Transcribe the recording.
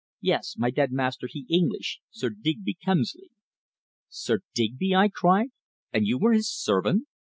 "Yees. My dead master he English Sir Digby Kemsley!" "Sir Digby!" I cried. "And you were his servant.